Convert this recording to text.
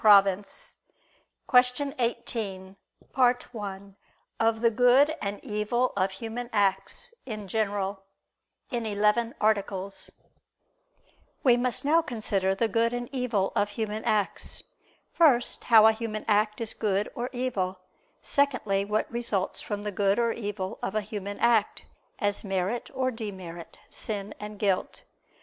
2). ________________________ QUESTION 18 OF THE GOOD AND EVIL OF HUMAN ACTS, IN GENERAL (In Eleven Articles) We must now consider the good and evil of human acts. First, how a human act is good or evil; secondly, what results from the good or evil of a human act, as merit or demerit, sin and guilt.